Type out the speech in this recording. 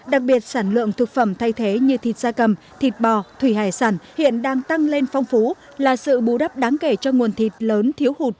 đặc biệt sản lượng thực phẩm thay thế như thịt da cầm thịt bò thủy hải sản hiện đang tăng lên phong phú là sự bù đắp đáng kể cho nguồn thịt lớn thiếu hụt